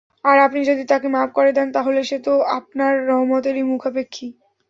আর আপনি যদি তাকে মাফ করে দেন তাহলে সে তো আপনার রহমতেরই মুখাপেক্ষী।